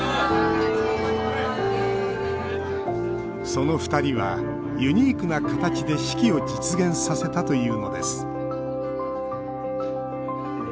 そのふたりはユニークな形で式を実現させたというのです。